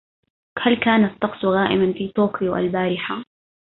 هل كان الطقس غائما في طوكيو البارحة ؟